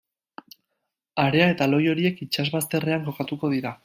Harea eta lohi horiek itsasbazterrean kokatuko dira.